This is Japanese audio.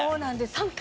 ３回。